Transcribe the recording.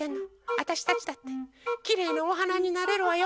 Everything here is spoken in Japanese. わたしたちだってきれいなおはなになれるわよ！